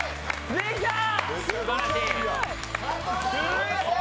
できたー！